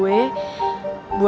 guh lu be alc mengapa